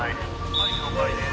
はい了解です。